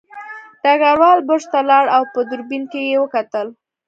ډګروال برج ته لاړ او په دوربین کې یې وکتل